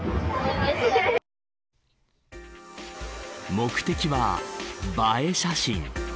目的は映え写真。